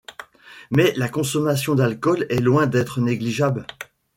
Mais la consommation d'alcool est loin d'être négligeable.